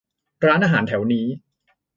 ร้านอาหารแถวนี้